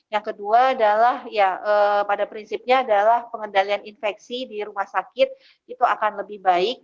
yang kedua adalah ya pada prinsipnya adalah pengendalian infeksi di rumah sakit itu akan lebih baik